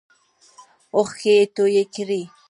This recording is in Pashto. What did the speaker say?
اوښکې یې تویی کړې.